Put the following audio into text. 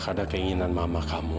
ini adalah keinginan mama kamu